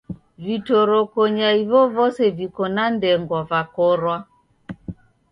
Vitorokonya ivovose viko na ndengwa vakorwa.